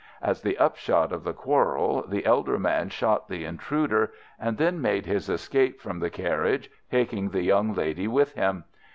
As the upshot of the quarrel the elder man shot the intruder, and then made his escape from the carriage, taking the young lady with him.